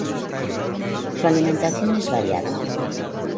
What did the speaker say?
Su alimentación es variada.